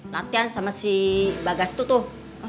latihan sama si bagas tuh tuh